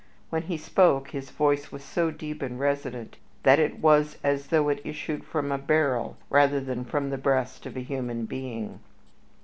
When he spoke, his voice was so deep and resonant that it was as though it issued from a barrel rather than from the breast of a human being.